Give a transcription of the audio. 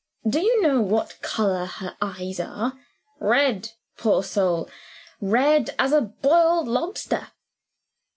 Do you know what color her eyes are? Red, poor soul red as a boiled lobster."